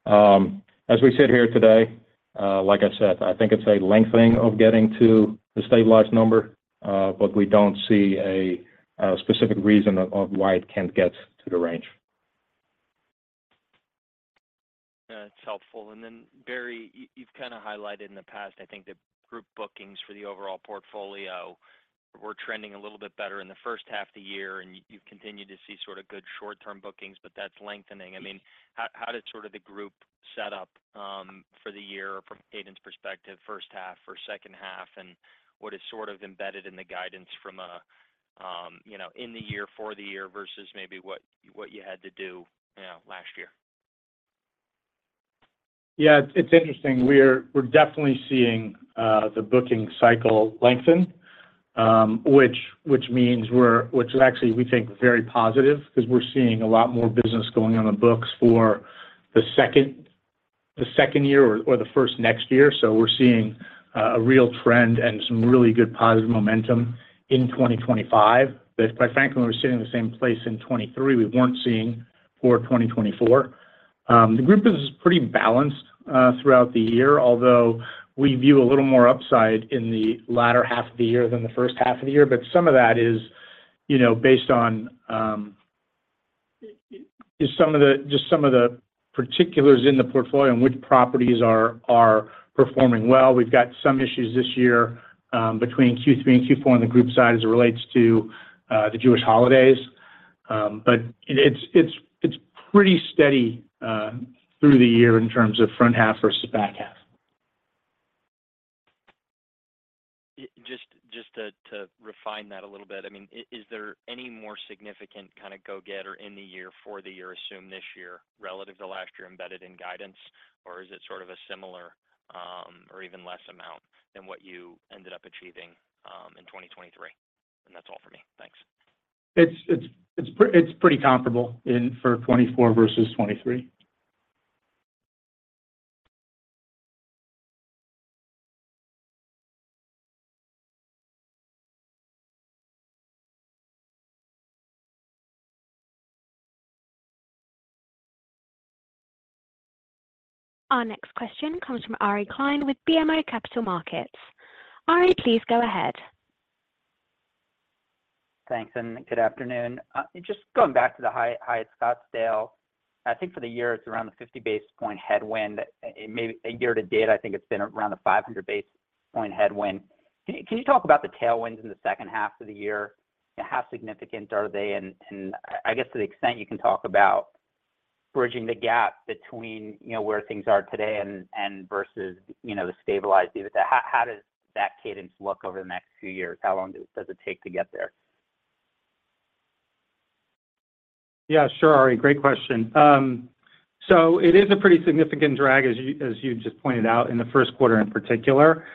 So, as we sit here today, like I said, I think it's a lengthening of getting to the stabilized number, but we don't see a specific reason of why it can't get to the range. That's helpful. And then, Barry, you've kind of highlighted in the past, I think, that group bookings for the overall portfolio were trending a little bit better in the first half of the year, and you've continued to see sort of good short-term bookings, but that's lengthening. I mean, how did sort of the group set up for the year from Xenia's perspective, first half or second half? And what is sort of embedded in the guidance from a, you know, in the year for the year, versus maybe what, what you had to do, you know, last year? Yeah, it's interesting. We're definitely seeing the booking cycle lengthen, which means we're which is actually, we think, very positive, 'cause we're seeing a lot more business going on the books for the second year or the first next year. So we're seeing a real trend and some really good positive momentum in 2025. But quite frankly, when we were sitting in the same place in 2023, we weren't seeing for 2024. The group is pretty balanced throughout the year, although we view a little more upside in the latter half of the year than the first half of the year. But some of that is, you know, based on just some of the particulars in the portfolio and which properties are performing well. We've got some issues this year, between Q3 and Q4 on the group side as it relates to the Jewish holidays. But it's pretty steady through the year in terms of front half versus back half. Just to refine that a little bit. I mean, is there any more significant kind of go-getter in the year for the year assumed this year relative to last year embedded in guidance? Or is it sort of a similar, or even less amount than what you ended up achieving, in 2023? That's all for me. Thanks. It's pretty comparable in, for 2024 versus 2023. Our next question comes from Ari Klein with BMO Capital Markets. Ari, please go ahead. Thanks, and good afternoon. Just going back to the Hyatt Scottsdale. I think for the year, it's around the 50 basis points headwind. Maybe a year to date, I think it's been around the 500 basis points headwind. Can you talk about the tailwinds in the second half of the year? How significant are they? And I guess to the extent you can talk about bridging the gap between, you know, where things are today and versus, you know, the stabilized EBITDA. How does that cadence look over the next few years? How long does it take to get there? Yeah, sure, Ari. Great question. So it is a pretty significant drag, as you just pointed out in the first quarter, in particular.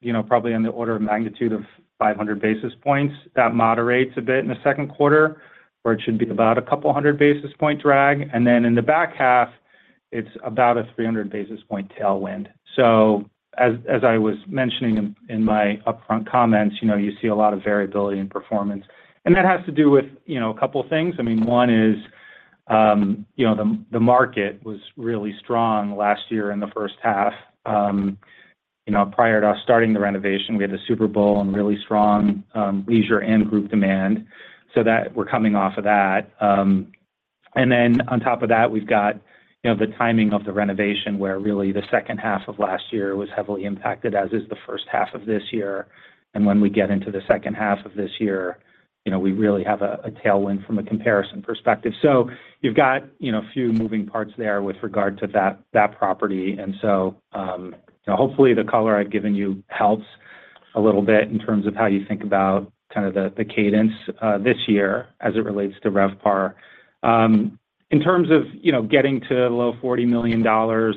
You know, probably on the order of magnitude of 500 basis points. That moderates a bit in the second quarter, where it should be about a couple of hundred basis point drag, and then in the back half, it's about a 300 basis point tailwind. So as I was mentioning in my upfront comments, you know, you see a lot of variability in performance. And that has to do with, you know, a couple of things. I mean, one is, you know, the market was really strong last year in the first half. You know, prior to us starting the renovation, we had a Super Bowl and really strong leisure and group demand, so that we're coming off of that. And then on top of that, we've got, you know, the timing of the renovation, where really the second half of last year was heavily impacted, as is the first half of this year. And when we get into the second half of this year, you know, we really have a tailwind from a comparison perspective. So you've got, you know, a few moving parts there with regard to that property. And so, hopefully, the color I've given you helps a little bit in terms of how you think about kind of the cadence this year as it relates to RevPAR. In terms of, you know, getting to low $40 million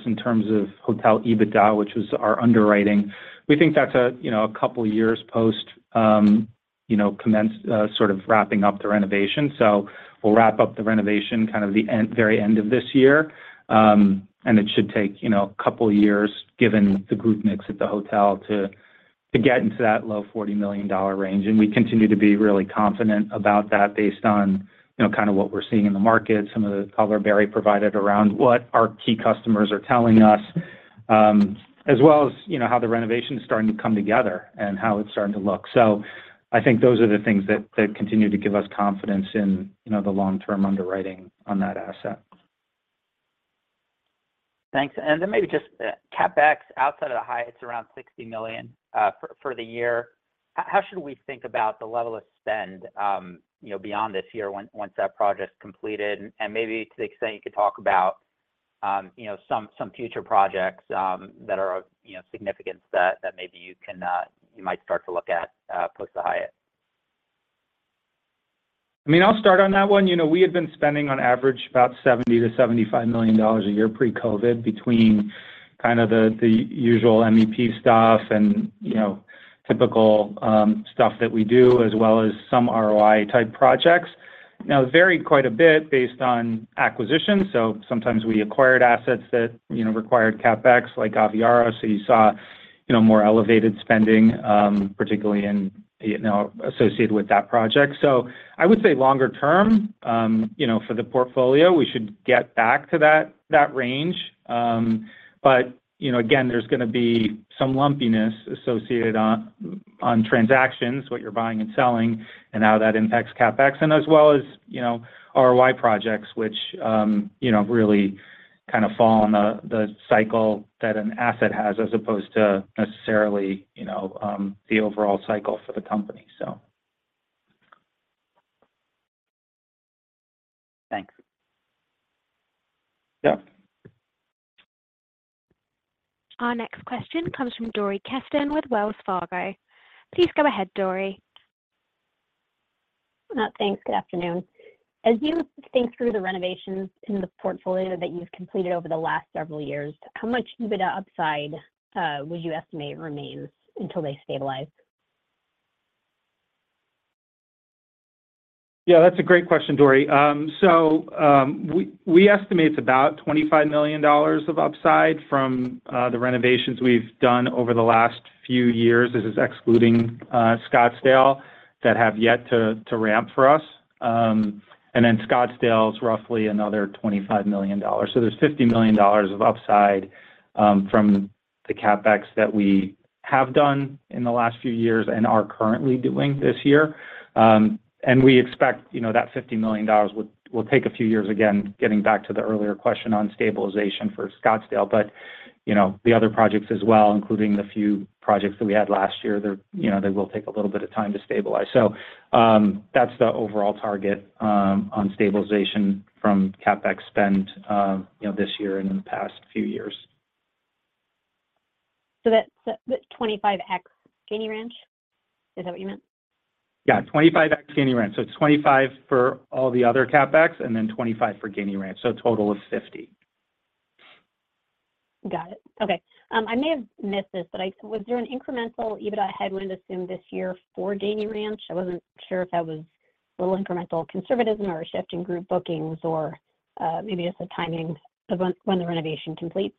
in terms of Hotel EBITDA, which was our underwriting, we think that's a, you know, a couple of years post, you know, commenced sort of wrapping up the renovation. So we'll wrap up the renovation kind of the end, very end of this year. And it should take, you know, a couple of years, given the group mix at the hotel, to get into that low $40 million range. And we continue to be really confident about that based on, you know, kind of what we're seeing in the market, some of the color Barry provided around what our key customers are telling us, as well as, you know, how the renovation is starting to come together and how it's starting to look. I think those are the things that continue to give us confidence in, you know, the long-term underwriting on that asset. Thanks. Then maybe just, CapEx outside of the high, it's around $60 million for the year. How should we think about the level of spend, you know, beyond this year once that project's completed? And maybe to the extent you could talk about, you know, some future projects that are, you know, significant that maybe you can, you might start to look at post the Hyatt. I mean, I'll start on that one. You know, we had been spending on average about $70 million-$75 million a year pre-COVID, kind of the usual MEP stuff and, you know, typical stuff that we do, as well as some ROI-type projects. Now it varied quite a bit based on acquisition, so sometimes we acquired assets that, you know, required CapEx, like Aviara. So you saw, you know, more elevated spending, particularly in, you know, associated with that project. So I would say longer term, you know, for the portfolio, we should get back to that, that range. But, you know, again, there's gonna be some lumpiness associated on transactions, what you're buying and selling, and how that impacts CapEx, and as well as, you know, ROI projects, which, you know, really kind of fall on the cycle that an asset has as opposed to necessarily, you know, the overall cycle for the company, so. Thanks. Yeah. Our next question comes from Dori Kesten with Wells Fargo. Please go ahead, Dori. Thanks. Good afternoon. As you think through the renovations in the portfolio that you've completed over the last several years, how much EBITDA upside would you estimate remains until they stabilize? Yeah, that's a great question, Dori. So, we estimate it's about $25 million of upside from the renovations we've done over the last few years. This is excluding Scottsdale, that have yet to ramp for us. And then Scottsdale is roughly another $25 million. So there's $50 million of upside from the CapEx that we have done in the last few years and are currently doing this year. And we expect, you know, that $50 million will take a few years, again, getting back to the earlier question on stabilization for Scottsdale. But, you know, the other projects as well, including the few projects that we had last year, they're, you know, they will take a little bit of time to stabilize. That's the overall target on stabilization from CapEx spend, you know, this year and in the past few years. So that's $25 million ex Gainey Ranch? Is that what you meant? Yeah, $25 million ex Gainey Ranch. So it's $25 million for all the other CapEx and then $25 million for Gainey Ranch, so a total of $50 million. Got it. Okay, I may have missed this, but was there an incremental EBITDA headwind assumed this year for Gainey Ranch? I wasn't sure if that was a little incremental conservatism, or a shift in group bookings, or maybe just the timing of when the renovation comp%letes.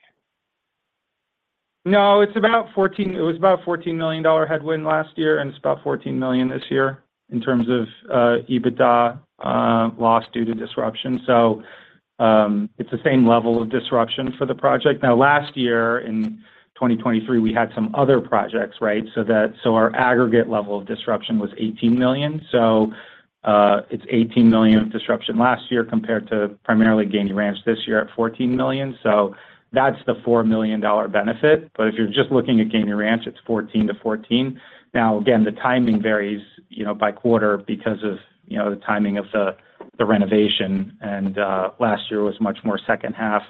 No, it's about $14 million. It was about $14 million headwind last year, and it's about $14 million this year in terms of EBITDA loss due to disruption. So, it's the same level of disruption for the project. Now, last year, in 2023, we had some other projects, right? So that so our aggregate level of disruption was $18 million. So, it's $18 million of disruption last year compared to primarily Gainey Ranch this year at $14 million. So that's the $4 million benefit. But if you're just looking at Gainey Ranch, it's $14 million to $14 million. Now, again, the timing varies, you know, by quarter because of, you know, the timing of the renovation, and last year was much more second half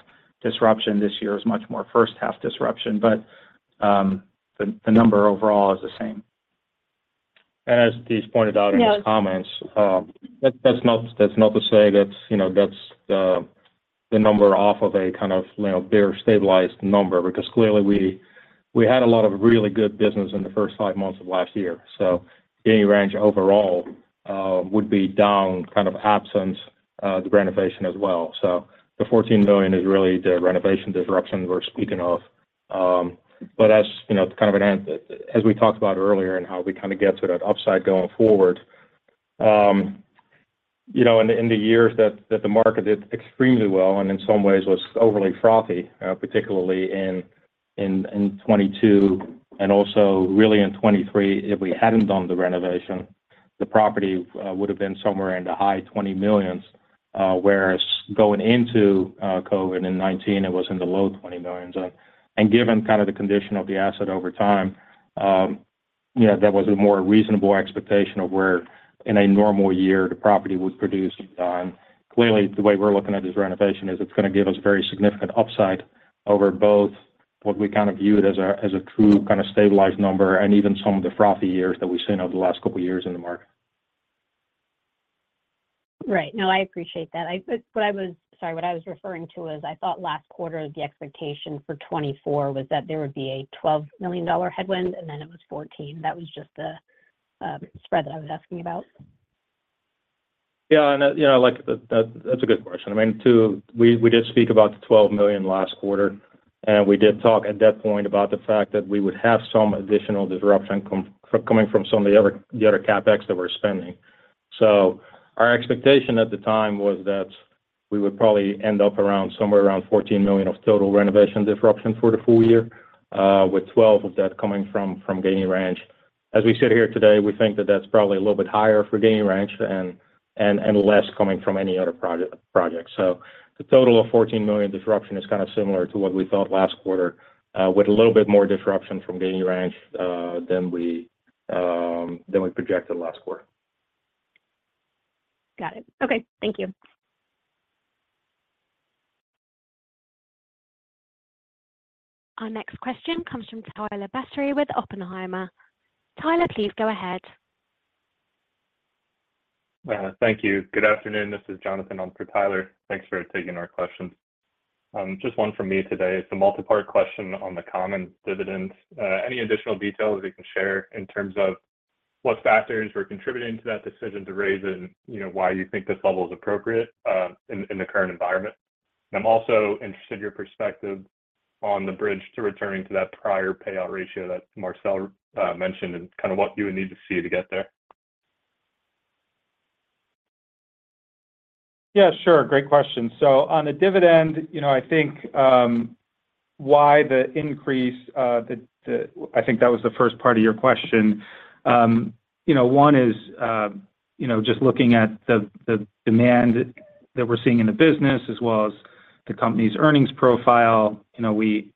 disruption. This year is much more first half disruption. But the number overall is the same. As Atish pointed out in his comments- Yeah. That's not to say that's, you know, that's the number off of a kind of, you know, bare, stabilized number because clearly we had a lot of really good business in the first five months of last year. So Gainey Ranch overall would be down kind of absent the renovation as well. So the $14 million is really the renovation disruption we're speaking of. But that's, you know, kind of an as we talked about earlier and how we kind of get to that upside going forward. You know, in the years that the market did extremely well and in some ways was overly frothy, particularly in 2022 and also really in 2023, if we hadn't done the renovation, the property would've been somewhere in the high $20 millions, whereas going into COVID in 2019, it was in the low $20 millions. And given kind of the condition of the asset over time, you know, that was a more reasonable expectation of where in a normal year the property would produce. Clearly, the way we're looking at this renovation is it's gonna give us very significant upside over both what we kind of viewed as a true kind of stabilized number and even some of the frothy years that we've seen over the last couple of years in the market. Right. No, I appreciate that. But what I was referring to was, I thought last quarter, the expectation for 2024 was that there would be a $12 million headwind, and then it was $14 million. That was just the spread that I was asking about. Yeah, and, you know, like, that's a good question. I mean, we did speak about the $12 million last quarter, and we did talk at that point about the fact that we would have some additional disruption coming from some of the other CapEx that we're spending. So our expectation at the time was that we would probably end up around, somewhere around $14 million of total renovation disruption for the full year, with 12 of that coming from Gainey Ranch. As we sit here today, we think that that's probably a little bit higher for Gainey Ranch and less coming from any other project. So the total of $14 million disruption is kind of similar to what we thought last quarter, with a little bit more disruption from Gainey Ranch than we projected last quarter. Got it. Okay, thank you. Our next question comes from Tyler Batory with Oppenheimer. Tyler, please go ahead. Thank you. Good afternoon, this is Jonathan on for Tyler. Thanks for taking our questions. Just one from me today. It's a multipart question on the common dividend. Any additional details you can share in terms of what factors were contributing to that decision to raise it and, you know, why you think this level is appropriate, in the current environment? I'm also interested in your perspective on the bridge to returning to that prior payout ratio that Marcel mentioned, and kind of what you would need to see to get there. Yeah, sure. Great question. So on the dividend, you know, I think, why the increase, I think that was the first part of your question. You know, one is, you know, just looking at the demand that we're seeing in the business as well as the company's earnings profile. You know, we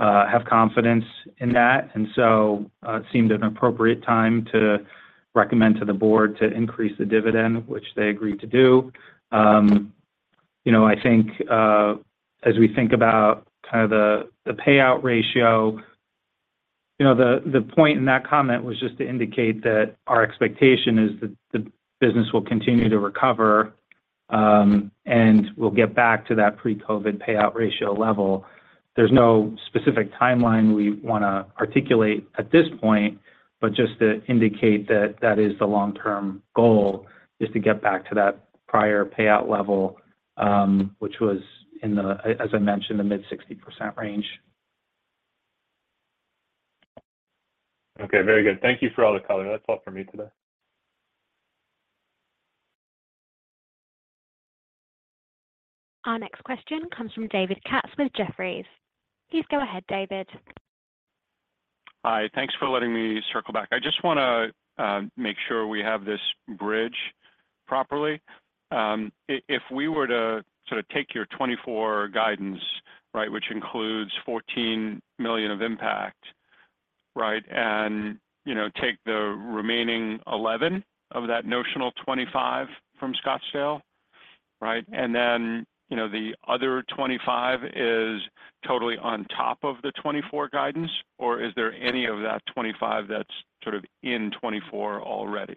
have confidence in that, and so, it seemed an appropriate time to recommend to the board to increase the dividend, which they agreed to do. You know, I think, as we think about kind of the payout ratio, you know, the point in that comment was just to indicate that our expectation is that the business will continue to recover, and we'll get back to that pre-COVID payout ratio level. There's no specific timeline we wanna articulate at this point, but just to indicate that that is the long-term goal, is to get back to that prior payout level, which was in the, as I mentioned, the mid-60% range. Okay, very good. Thank you for all the color. That's all for me today. Our next question comes from David Katz with Jefferies. Please go ahead, David. Hi, thanks for letting me circle back. I just wanna make sure we have this bridge properly. If we were to sort of take your 2024 guidance, right, which includes $14 million of impact, right? And, you know, take the remaining $11 million of that notional $25 million from Scottsdale, right? And then, you know, the other $25 million is totally on top of the 2024 guidance, or is there any of that $25 million that's sort of in 2024 already?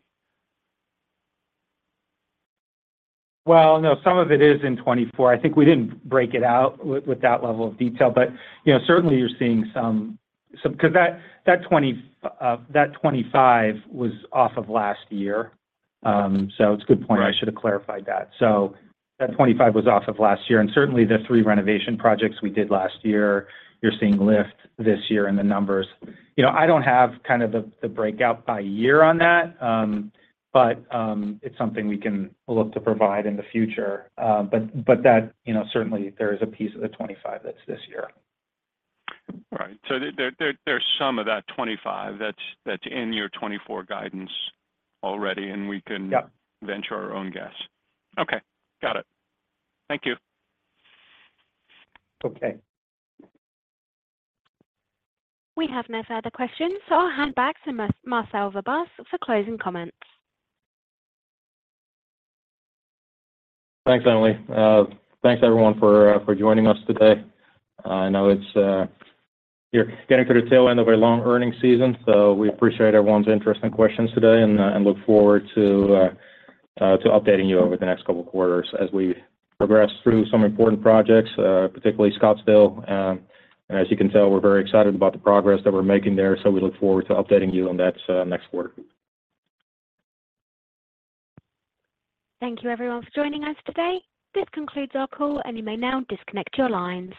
Well, no, some of it is in 2024. I think we didn't break it out with that level of detail, but, you know, certainly you're seeing some. 'Cause that $25 million was off of last year. So it's a good point. Right. I should have clarified that. So that $25 million was off of last year, and certainly, the three renovation projects we did last year, you're seeing lift this year in the numbers. You know, I don't have kind of the breakout by year on that, but it's something we can look to provide in the future. But that, you know, certainly there is a piece of the $25 million that's this year. Right. So there, there's some of that $25 million that's in your 2024 guidance already, and we can. Yeah. Venture our own guess. Okay, got it. Thank you. Okay. We have no further questions, so I'll hand back to Marcel Verbaas for closing comments. Thanks, Emily. Thanks, everyone, for joining us today. I know it's you're getting to the tail end of a long earnings season, so we appreciate everyone's interest and questions today and look forward to updating you over the next couple of quarters as we progress through some important projects, particularly Scottsdale. As you can tell, we're very excited about the progress that we're making there, so we look forward to updating you on that next quarter. Thank you, everyone, for joining us today. This concludes our call, and you may now disconnect your lines.